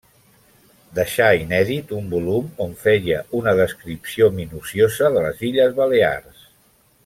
Deixà inèdit un volum on feia una descripció minuciosa de les illes Balears.